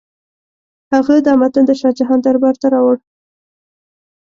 هغه دا متن د شاه جهان دربار ته راوړ.